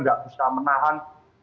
tidak bisa menahan